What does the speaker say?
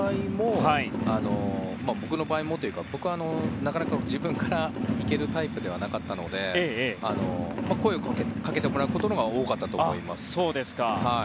僕はなかなか自分からいけるタイプではなかったので声をかけてもらうことのほうが多かったと思います。